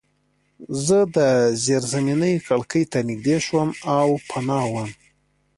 زه د زیرزمینۍ کړکۍ ته نږدې شوم او پناه وم